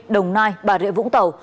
đồng nai bà rịa vũng tàu